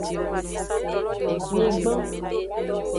Nyigban.